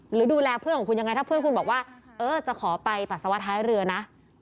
หรือดูแลเพื่อนของคุณยังไงถ้าเพื่อนคุณบอกว่าเออจะขอไปปัสสาวะท้ายเรือนะ